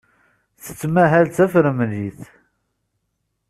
Tettmahal d tafremlit.